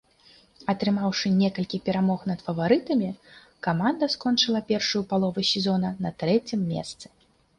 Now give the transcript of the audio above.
Атрымаўшы некалькі перамог над фаварытамі, каманда скончыла першую палову сезона на трэцім месцы.